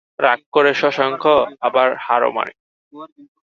রাগ করে শশাঙ্ক, আবার হারও মানে।